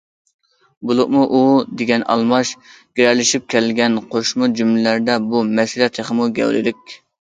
بولۇپمۇ‹‹ ئۇ›› دېگەن ئالماش گىرەلىشىپ كەلگەن قوشما جۈملىلەردە بۇ مەسىلە تېخىمۇ گەۋدىلىك.